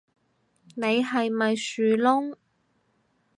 你係咪樹窿